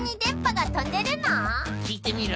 きいてみる？